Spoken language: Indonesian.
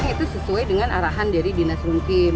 itu sesuai dengan arahan dari dinas runcim